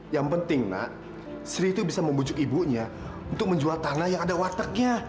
yang penting nak sri itu bisa membujuk ibunya untuk menjual tanah yang ada wartegnya